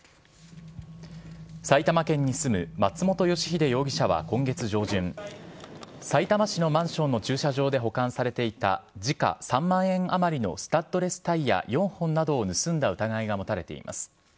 埼玉県に住む松本吉秀容疑者は今月上旬さいたま市のマンションの駐車場で保管されていた時価３万円あまりのスタッドレスタイヤ４本などを盗んだ疑いが持たれています。